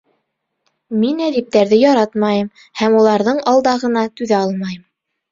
Мин әҙиптәрҙе яратмайым һәм уларҙың алдағына түҙә алмайым.